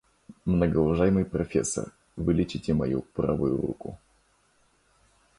Многоуважаемый профессор, вылечите мою правую руку.